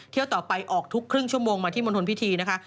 เที่ยวต่อไปออกทุกครึ่งชั่วโมงมาที่มณฑลพิธีนะคะ